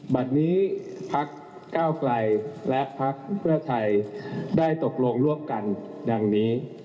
บัตรนี้พักก้าวไกลและพักเพื่อไทยได้ตกลงร่วมกันดังนี้